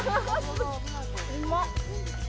うまっ！